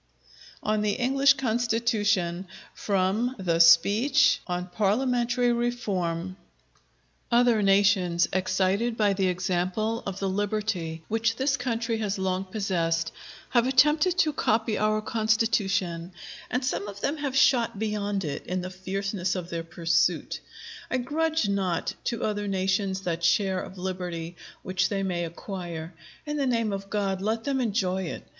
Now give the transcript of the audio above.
_] ON THE ENGLISH CONSTITUTION From the 'Speech on Parliamentary Reform' Other nations, excited by the example of the liberty which this country has long possessed, have attempted to copy our Constitution; and some of them have shot beyond it in the fierceness of their pursuit. I grudge not to other nations that share of liberty which they may acquire: in the name of God, let them enjoy it!